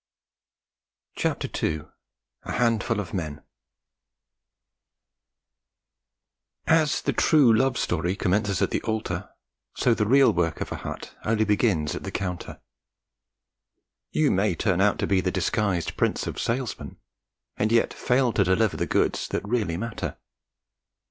A HANDFUL OF MEN As 'the true love story commences at the altar,' so the real work of a hut only begins at the counter. You may turn out to be the disguised prince of salesmen, and yet fail to deliver the goods that really matter.